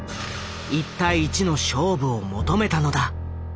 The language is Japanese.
一対一の勝負を求めたのだ。